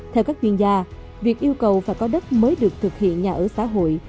theo các chuyên gia việc yêu cầu phải có đất mới được thực hiện nhà ở xã hội